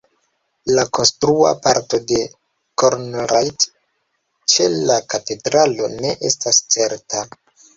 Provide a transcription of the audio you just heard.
La konstrua parto de Konrad ĉe la katedralo ne estas certa.